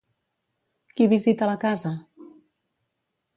Qui visita la casa?